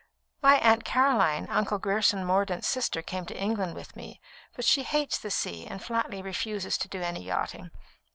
My aunt Caroline, Uncle Grierson Mordaunt's sister, came to England with me; but she hates the sea, and flatly refuses to do any yachting.